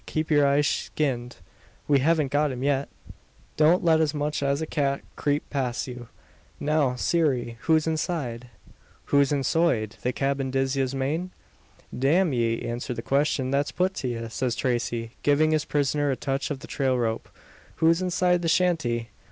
Keep your eyes skinned. We havn't got him yet. Don't let as much as a cat creep past you. Now, sirree! who's inside?" "Who's insoide? The cyabin div yez mane?" "Damn ye! answer the question that's put to ye!" says Tracey, giving his prisoner a touch of the trail rope. "Who's inside the shanty?"